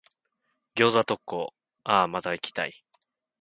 餃子特講、あぁ、また行きたい。